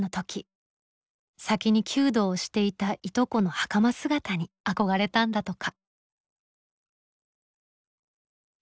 先に弓道をしていたいとこの袴姿に憧れたんだとか。